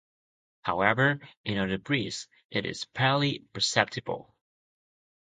However, in other breeds it is barely perceptible.